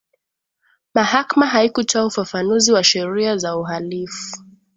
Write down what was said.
mahakama haikutoa ufafanuzi wa sheria za uhalifu